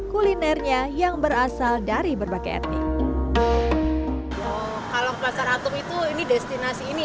kulinernya yang berasal dari berbagai etnik kalau pasar atup itu ini destinasi ini